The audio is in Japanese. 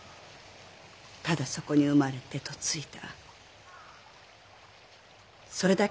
ただそこに生まれて嫁いだ。